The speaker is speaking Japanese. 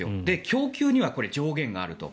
供給には上限があると。